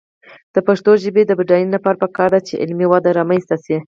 د پښتو ژبې د بډاینې لپاره پکار ده چې علمي وده رامنځته شي.